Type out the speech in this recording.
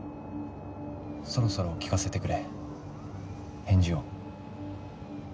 そろそろ聞かせてくれ返事を。